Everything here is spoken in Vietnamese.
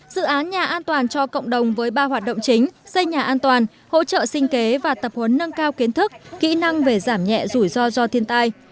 dự án nhà an toàn cho cộng đồng với ba hoạt động chính xây nhà an toàn hỗ trợ sinh kế và tập huấn nâng cao kiến thức kỹ năng về giảm nhẹ rủi ro do thiên tai